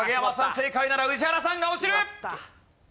正解なら宇治原さんが落ちる。